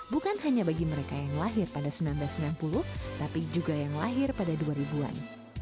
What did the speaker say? bukan hanya bagi mereka yang lahir pada seribu sembilan ratus sembilan puluh tapi juga yang lahir pada dua ribu an